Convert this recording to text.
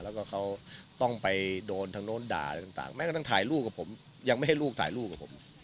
แล้วก็เขาต้องไปโดนทางโน้นด่าอะไรต่างแม้กระทั่งถ่ายรูปกับผมยังไม่ให้ลูกถ่ายรูปกับผม